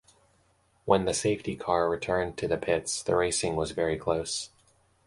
When the safety car returned to the pits the racing was very close.